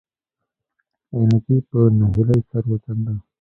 عينکي په نهيلۍ سر وڅنډه.